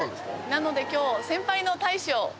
なので今日。